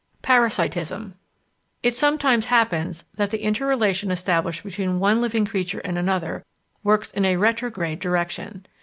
Parasitism It sometimes happens that the inter relation established between one living creature and another works in a retrograde direction.